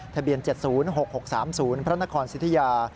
ทะเบียน๗๐๖๖๓๐พระนครสิทธิยา